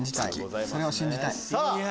それを信じたい。